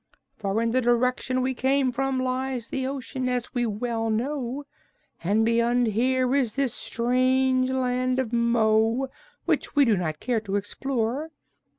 For in the direction we came from lies the ocean, as we well know, and beyond here is this strange Land of Mo, which we do not care to explore.